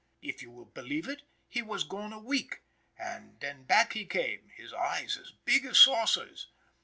If you will believe it, he was gone a week, then back he came, his eyes as big as saucers.